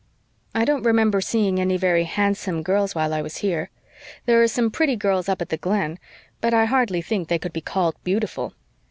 "I don't remember seeing any very handsome girls while I was here. There are some pretty girls up at the Glen, but I hardly think they could be called beautiful."